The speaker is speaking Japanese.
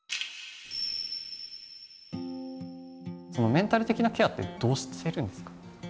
メンタル的なケアってどうしてるんですか？